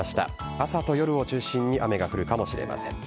朝と夜を中心に雨が降るかもしれません。